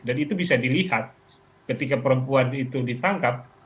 dan itu bisa dilihat ketika perempuan itu ditangkap